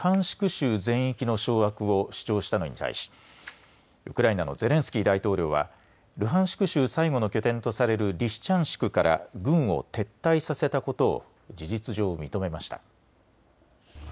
州全域の掌握を主張したのに対しウクライナのゼレンスキー大統領はルハンシク州最後の拠点とされるリシチャンシクから軍を撤退させたことを事実上認めました。